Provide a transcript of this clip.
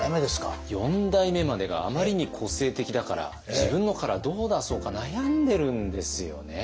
四代目までがあまりに個性的だから自分のカラーどう出そうか悩んでるんですよね。